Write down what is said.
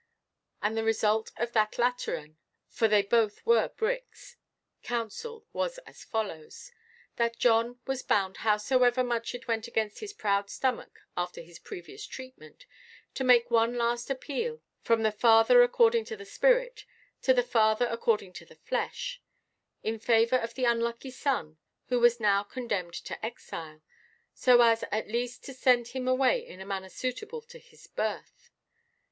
And the result of their Lateran—for they both were bricks—council was as follows: That John was bound, howsoever much it went against his proud stomach after his previous treatment, to make one last appeal from the father according to the spirit to the father according to the flesh, in favour of the unlucky son who was now condemned to exile, so as at least to send him away in a manner suitable to his birth.